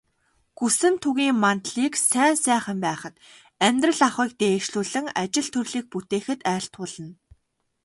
Гүсэнтүгийн мандлыг сайн сайхан байхад, амьдрал ахуйг дээшлүүлэн, ажил төрлийг бүтээхэд айлтгуулна.